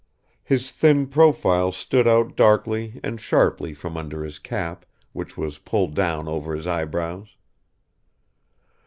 His thin profile stood out darkly and sharply from under his cap, which was pulled down over his eyebrows.